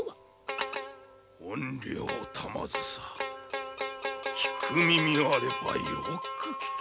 怨霊玉梓聞く耳あればよく聞け。